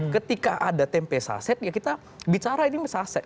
ketika ada tempe saset ya kita bicara ini saset